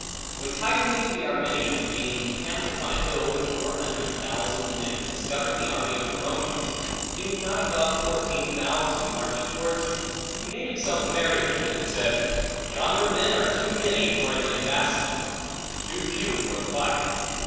When Tigranes the Armenian, being encamped upon a hill with four hundred thousand men, discovered the army of the Romans, being not above fourteen thousand, marching towards him, he made himself merry with it, and said, Yonder men are too many for an embassage, and too few for a fight.